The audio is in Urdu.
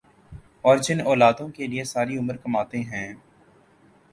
اور جن اولادوں کے لیئے ساری عمر کماتے ہیں